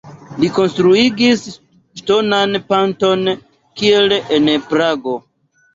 Li konstruigis ŝtonan ponton kiel en Prago.